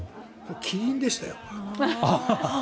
キリンでしたよ。